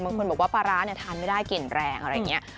บางคนบอกว่าปลาร้าทานไม่ได้กลิ่นแรงอะไรอย่างนี้